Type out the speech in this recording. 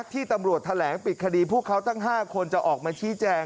ที่ตำรวจแถลงปิดคดีพวกเขาทั้ง๕คนจะออกมาชี้แจง